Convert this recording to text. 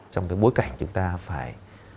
trong cái bối cảnh chúng ta phải